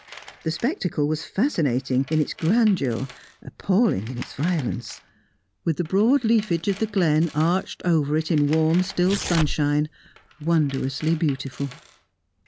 The spectacle was fascinating in its grandeur, appalling in its violence; with the broad leafage of the glen arched over it in warm, still sunshine, wondrously beautiful.